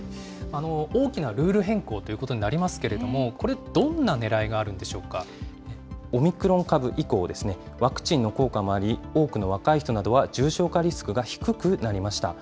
大きなルール変更ということになりますけれども、これ、どんオミクロン株以降、ワクチンの効果もあり、多くの若い人などは重症化リスクが低くなりました。